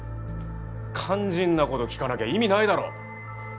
肝心なこと聞かなきゃ意味ないだろ。